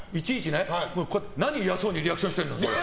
ねえ、何嫌そうにリアクションしてんのよ。